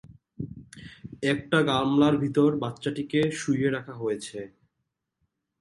একটা গামলার ভেতর বাচ্চাটিকে শুইয়ে রাখা হয়েছে।